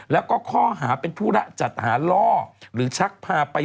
แล้วก็ข้อหาเป็นธุระจัดหาล่อหรือชักพาไป